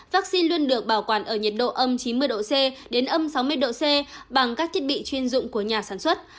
vaccine luôn được bảo quản ở nhiệt độ âm chín mươi độ c đến âm sáu mươi độ c bằng các thiết bị chuyên dụng của nhà sản xuất